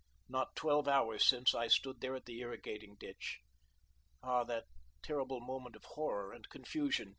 Not twelve hours since I stood there at the irrigating ditch. Ah, that terrible moment of horror and confusion!